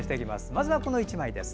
まずはこの１枚です。